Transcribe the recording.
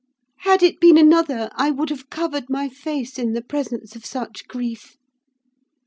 Had it been another, I would have covered my face in the presence of such grief.